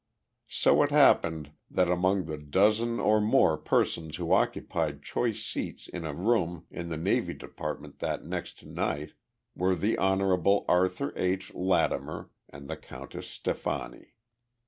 So it happened that among the dozen or more persons who occupied choice seats in a room in the Navy Department that next night were the Hon. Arthur H. Lattimer and the Countess Stefani.